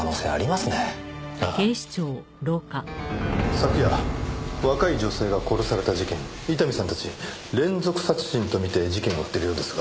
昨夜若い女性が殺された事件伊丹さんたち連続殺人とみて事件を追っているようですが。